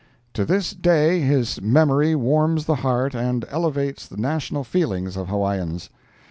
To this day his memory warms the heart and elevates the national feelings of Hawaiians.